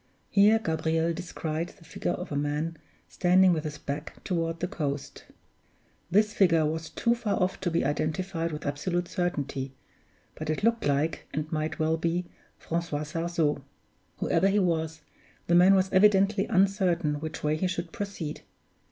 Here Gabriel descried the figure of a man standing with his back toward the coast. This figure was too far off to be identified with absolute certainty, but it looked like, and might well be, Francois Sarzeau. Whoever he was, the man was evidently uncertain which way he should proceed.